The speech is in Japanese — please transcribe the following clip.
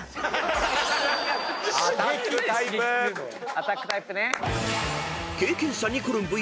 アタックタイプ！